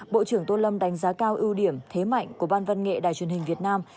bộ trưởng tô lâm đánh giá cao ưu điểm thế mạnh của ban văn nghệ đài truyền hình việt nam